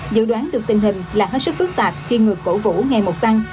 dự đoán được tình hình là hết sức phức tạp khi ngược cổ vũ ngày một tăng